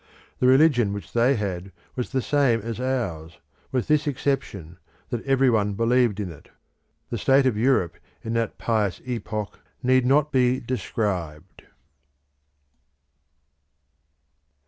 The religion which they had was the same as ours, with this exception, that everyone believed in it. The state of Europe in that pious epoch need not be described.